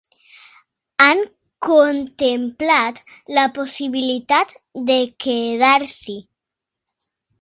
Han contemplat la possibilitat de quedar-s'hi.